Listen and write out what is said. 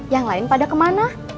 yang lain pada ke mana